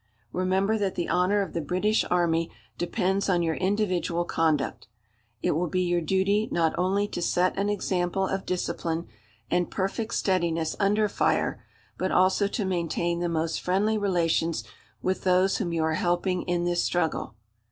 Remember that the honour of the British Army depends on your individual conduct. It will be your duty not only to set an example of discipline and perfect steadiness under fire, but also to maintain the most friendly relations with those whom you are helping in this struggle.